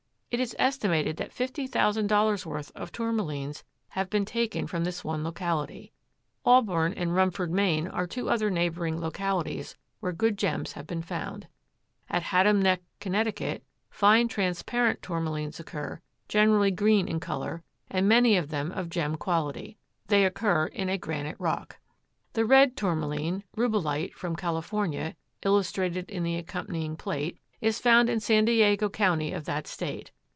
It is estimated that fifty thousand dollars' worth of Tourmalines have been taken from this one locality. Auburn and Rumford, Me., are two other neighboring localities where good gems have been found. At Haddam Neck, Conn., fine transparent Tourmalines occur, generally green in color, and many of them of gem quality. They occur in a granite rock. The red Tourmaline (Rubellite) from California, illustrated in the accompanying plate, is found in San Diego County of that State.